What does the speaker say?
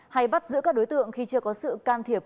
hay bắt giữ các đối tượng khi chưa có sự can thiệp